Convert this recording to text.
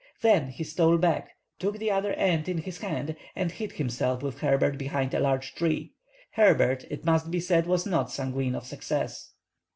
Then he stole back, took the other end in his hand, and hid himself with Herbert behind a large tree. Herbert, it must be said, was not sanguine of success.